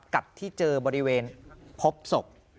กับที่เจอบริเวณพบศพ